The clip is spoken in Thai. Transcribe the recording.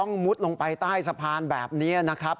มุดลงไปใต้สะพานแบบนี้นะครับ